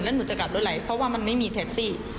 แล้วหนูจะกลับรถไหลเพราะว่ามันไม่มีแท็กซี่